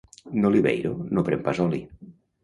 N'Oliveiro no pren pas oli.